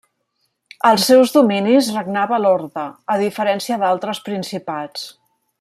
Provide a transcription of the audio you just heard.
Als seus dominis regnava l'orde a diferència d'altres principats.